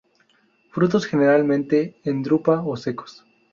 Frutos generalmente en drupa o secos.